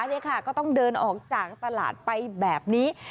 นี่ค่ะก็ต้องเดินออกจากตลาดไปแบบนี้